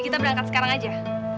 kita berangkat sekarang aja